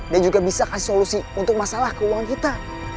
dan juga bisa kasih solusi untuk masalah keuangan kita